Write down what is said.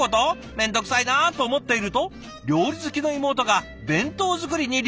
めんどくさいな」と思っていると料理好きの妹が弁当作りに立候補！